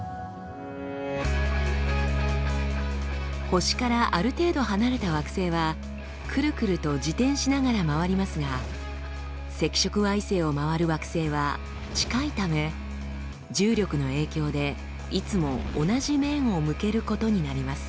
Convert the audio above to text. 星からある程度離れた惑星はクルクルと自転しながら回りますが赤色矮星を回る惑星は近いため重力の影響でいつも同じ面を向けることになります。